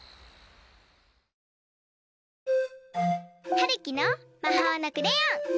はるきのまほうのクレヨン！